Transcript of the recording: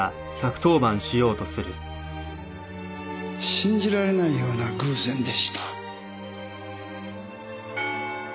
信じられないような偶然でした。